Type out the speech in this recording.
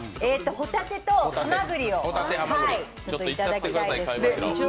ホタテとはまぐりをいただきたいです。